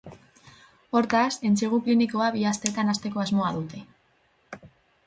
Hortaz, entsegu klinikoa bi astetan hasteko asmoa dute.